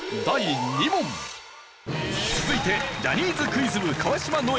続いてジャニーズクイズ部川島如恵